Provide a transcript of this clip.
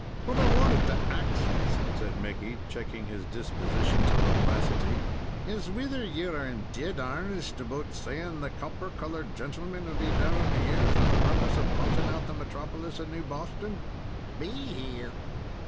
What I wanted to ax yez," said Mickey, checking his disposition to loquacity, "is whether ye are in dead airnest 'bout saying the copper colored gentleman will be down here for the purpose of blotting out the metropolis of New Boston?" "Be here?